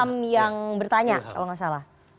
ilham yang bertanya kalau enggak salah